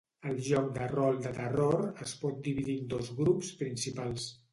El joc de rol de terror es pot dividir en dos grups principals.